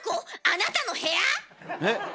あなたの部屋⁉え？